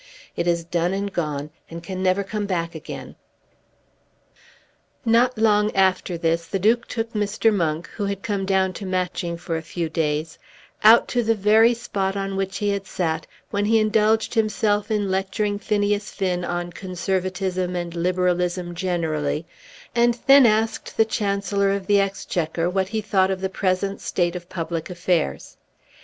It is done and gone, and can never come back again." Not long after this the Duke took Mr. Monk, who had come down to Matching for a few days, out to the very spot on which he had sat when he indulged himself in lecturing Phineas Finn on Conservatism and Liberalism generally, and then asked the Chancellor of the Exchequer what he thought of the present state of public affairs.